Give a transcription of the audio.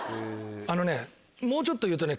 あのねもうちょっと言うとね。